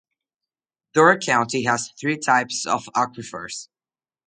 Door County has three types of aquifers.